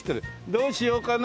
どうしようかな？